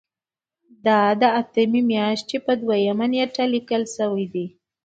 دا د اتمې میاشتې په دویمه نیټه لیکل شوی دی.